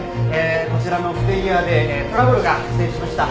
こちらの不手際でトラブルが発生しました。